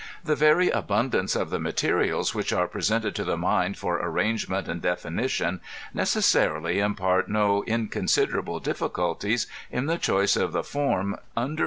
The very abundance of the materials which are presented to the mind for arrangement and definition, necessarily impart no inconsiderable difiiculties in the choice of the form under AUTHOE8 PREFACE.